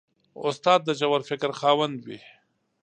استاد د ژور فکر خاوند وي.